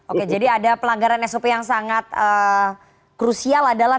oke jadi ada pelanggaran sop yang sangat krusial adalah